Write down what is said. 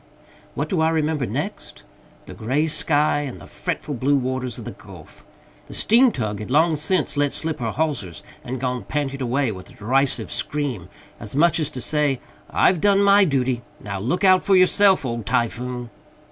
What do I remember next? The gray sky and the fretful blue waters of the Gulf. The steam tug had long since let slip her hawsers and gone panting away with a derisive scream, as much as to say, "I've done my duty, now look out for yourself, old Typhoon!"